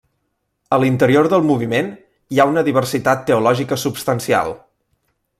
A l'interior del moviment, hi ha una diversitat teològica substancial.